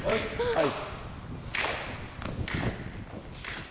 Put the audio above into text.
はい。